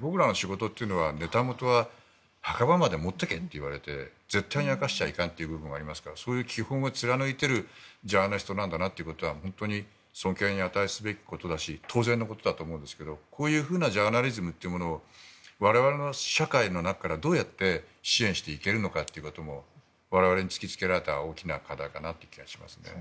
僕らの仕事というのは、ネタ元は墓場まで持っていけと言われて絶対に明かしちゃいけない部分はありますからそういう基本は貫いているジャーナリストなんだなということは本当に尊敬に値すべきことだし当然のことだと思うんですがこういうジャーナリズムを我々の社会の中からどうやって支援していけるのかも我々に突きつけられた大きな課題かなと思います。